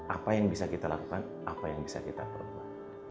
apa yang bisa kita lakukan apa yang bisa kita perbuat